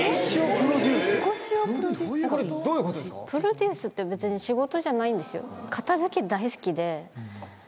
プロデュースって別に仕事じゃないんですよ。